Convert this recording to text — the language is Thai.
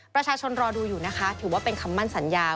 รอดูอยู่นะคะถือว่าเป็นคำมั่นสัญญา